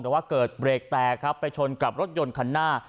แต่ว่าเกิดเบรกแตกครับไปชนกับรถยนต์คันหน้า